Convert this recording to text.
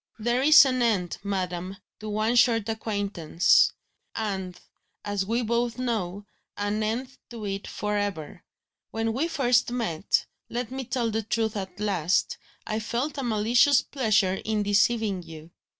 "There is an end, madam, to one short acquaintance; and, as we both know, an end to it for ever. When we first met let me tell the truth at last! I felt a malicious pleasure in deceiving you.